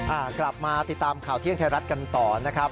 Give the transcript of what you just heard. อ่ากลับมาติดตามข่าวเที่ยงไทยรัฐกันต่อนะครับ